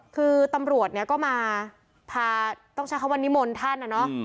คือตำรวจเนี่ยก็มาพาต้องใช้คำว่านิมนต์ท่านนะเนาะ